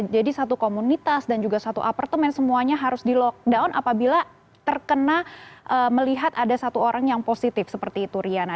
jadi satu komunitas dan juga satu apartemen semuanya harus di lockdown apabila terkena melihat ada satu orang yang positif seperti itu riana